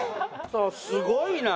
すごいな。